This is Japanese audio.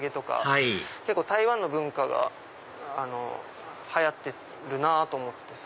はい結構台湾の文化が流行ってるなぁと思って。